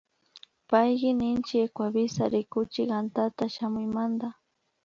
Payki ninchi Ecuavisa rikuchik antata shamuymanta